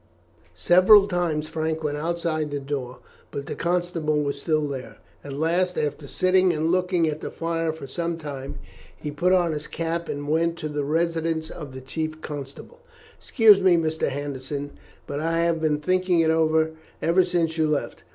Several times Frank went outside the door, but the constable was still there. At last, after sitting and looking at the fire for some time he put on his cap and went to the residence of the chief constable. "Excuse me, Mr. Henderson, but I have been thinking it over ever since you left.